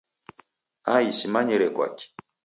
Ai Simanyire kwaki.